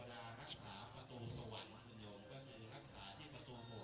แต่ละชุดนั้นก็จารึกนำสวรรค์แต่ละชุดด้วย